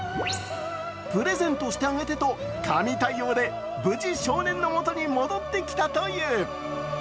プレゼントしてあげてと神対応で無事少年のもとに戻ってきたという。